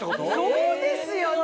そうですよね？